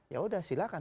ya udah silahkan